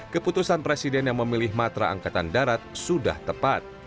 keputusan presiden yang memilih matra angkatan darat sudah tepat